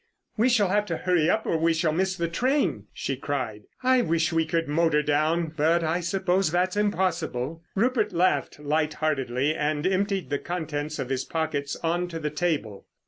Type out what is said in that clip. "We shall have to hurry up or we shall miss the train," she cried. "I wish we could motor down, but I suppose that's impossible." Rupert laughed light heartedly and emptied the contents of his pockets on to the table.